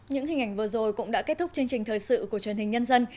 những hình ảnh vừa rồi cũng đã kết thúc chương trình thời sự của truyền hình nhân dân